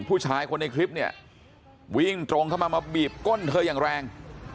ผู้ชายคนในคลิปเนี่ยวิ่งตรงเข้ามามาบีบก้นเธออย่างแรง